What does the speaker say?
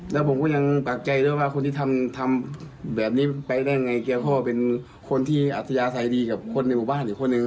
แล้วผมก็ยังปากใจด้วยว่าคนที่ทำแบบนี้ไปได้ยังไงเค่าค่อนข้างก็เป็นคนที่อัศยาไทยดีกับคนในบุคบ้านคนนึง